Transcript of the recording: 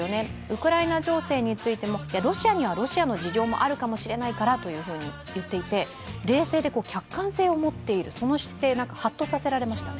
ウクライナ情勢についても、ロシアにはロシアの事情もあるかもしれないからと言っていて冷静で客観性を持っている、その姿勢にはっとさせられました。